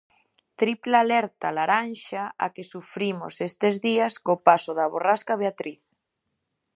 Tripla alerta laranxa a que sufrimos estes días co paso da borrasca Beatriz.